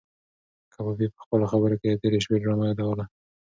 کبابي په خپلو خبرو کې د تېرې شپې ډرامه یادوله.